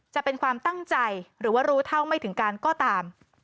จะเป็นความตั้งใจหรือว่ารู้เท่าไม่ถึงการก็ตาม